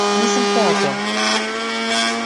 Нисам хтео то!